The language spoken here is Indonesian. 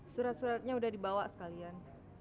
surat suratnya sudah dibawa sekalian